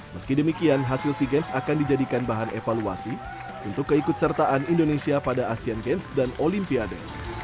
meski demikian hasil sea games akan dijadikan bahan evaluasi untuk keikutsertaan indonesia pada asian games dan olimpiade